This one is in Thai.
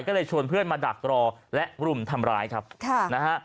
ก็เลยชวนเพื่อนมาดักรอและรุมทำร้ายครับค่ะนะฮะ